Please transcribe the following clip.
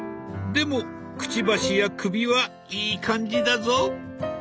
でもくちばしや首はいい感じだぞ。